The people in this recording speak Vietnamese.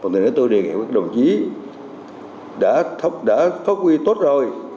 nữa tôi đề nghị các đồng chí đã phát huy tốt rồi